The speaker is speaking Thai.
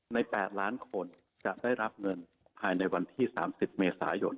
ใน๘ล้านคนจะได้รับเงินพันธุ์ประจำวันที่๓๐เมษายน